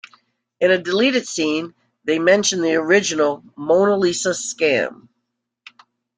In a deleted scene, they mention the original "'Mona Lisa" scam'.